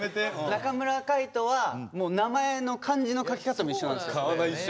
中村海人は名前の漢字の書き方も一緒なんですよ。